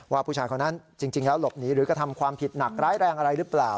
ผู้ชายคนนั้นจริงแล้วหลบหนีหรือกระทำความผิดหนักร้ายแรงอะไรหรือเปล่า